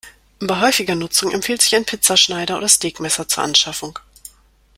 Bei häufiger Nutzung empfiehlt sich ein Pizzaschneider oder Steakmesser zur Anschaffung.